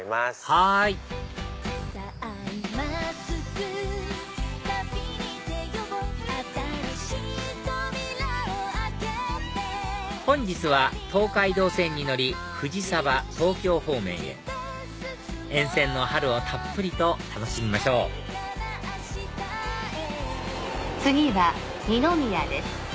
はい本日は東海道線に乗り藤沢東京方面へ沿線の春をたっぷりと楽しみましょう次は二宮です。